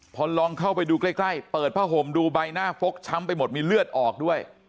พอลองเข้าไปดูใกล้เปิดผ้าห่มดูใบหน้าฟกช้ำไปหมดมีเลือดออกด้วย